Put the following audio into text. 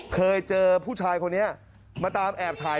เคยเจอผู้ชายคนนี้มาตามแอบถ่าย